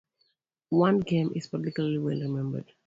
One game is particularly well remembered.